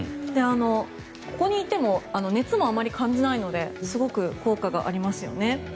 ここにいても熱もあまり感じないのですごく効果がありますよね。